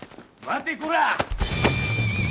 待てこらぁ！